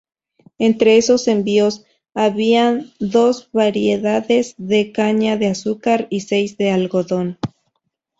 Entre esos envíos, había dos variedades de caña de azúcar y seis de algodón.